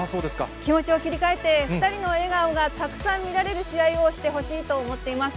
気持ちを切り替えて、２人の笑顔がたくさん見られる試合をしてほしいと思っています。